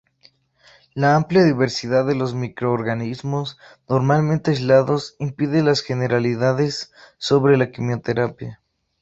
La amplia diversidad de los microorganismos normalmente aislados impide las generalidades sobre la quimioterapia.